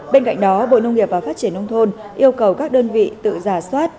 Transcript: bên cạnh đó bộ nông nghiệp và phát triển nông thôn yêu cầu các đơn vị tự giả soát